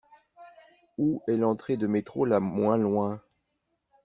Où est l'entrée de métro la moins loin?